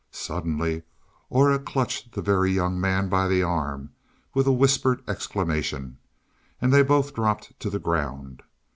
Suddenly Aura clutched the Very Young Man by the arm with a whispered exclamation, and they both dropped to the ground.